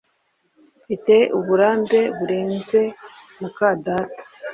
Mfite uburambe burenze muka data